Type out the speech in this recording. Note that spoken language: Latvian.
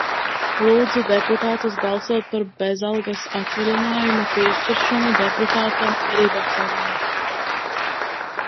Lūdzu deputātus balsot par bezalgas atvaļinājuma piešķiršanu deputātam Ribakovam.